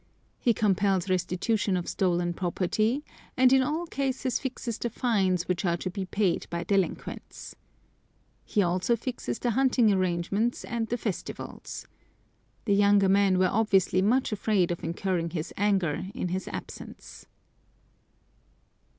He compels restitution of stolen property, and in all cases fixes the fines which are to be paid by delinquents. He also fixes the hunting arrangements and the festivals. The younger men were obviously much afraid of incurring his anger in his absence.